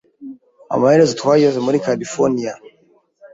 Amaherezo, twageze muri Californiya.